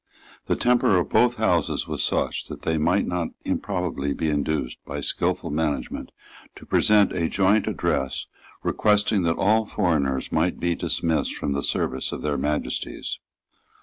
The temper of both Houses was such that they might not improbably be induced by skilful management to present a joint address requesting that all foreigners might be dismissed from the service of their Majesties.